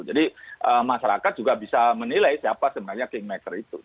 jadi masyarakat juga bisa menilai siapa sebenarnya pinkmaker itu